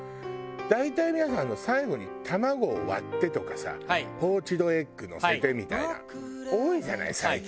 大体皆さん最後に卵を割ってとかさポーチドエッグのせてみたいな多いじゃない最近料理。